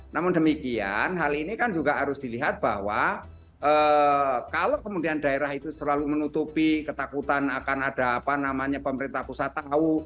namun demikian hal ini kan juga harus dilihat bahwa kalau kemudian daerah itu selalu menutupi ketakutan akan ada apa namanya pemerintah pusat tahu